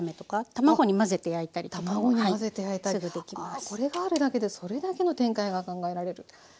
ああこれがあるだけでそれだけの展開が考えられる。